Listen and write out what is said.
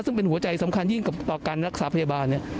ซึ่งเป็นหัวใจสำคัญยิ่งกับต่อการรักษาพยาบาล